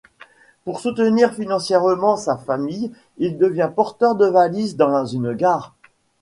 Pour soutenir financièrement sa famille, il devient porteur de valises dans une gare.